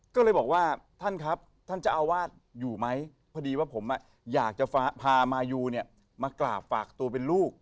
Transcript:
ก็เลยบอกว่าท่านครับท่านเจ้าอาวาสอยู่ไหมพอดีว่าผมอยากจะพามายูเนี่ยมากราบฝากตัวเป็นลูก